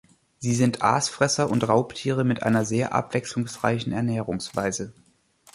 Sie sind Aasfresser und Raubtiere mit einer sehr abwechslungsreichen Ernährungsweise.